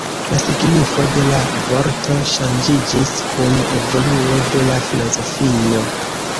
La signifo de la vorto ŝanĝiĝis kun evoluo de la filozofio.